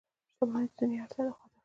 • شتمني د دنیا اړتیا ده، خو هدف نه دی.